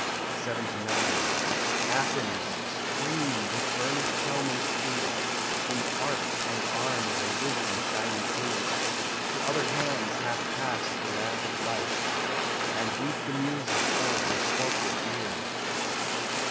LXXIX Athens, supreme, with burnished helm and spear, In art and arms and wisdom shining clear, To other hands hath passed the lamp of life, And weep the muses o'er her sculptured bier.